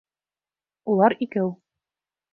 Улар икәү.